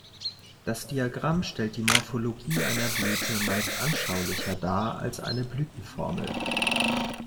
Das Diagramm stellt die Morphologie einer Blüte meist anschaulicher dar als eine Blütenformel.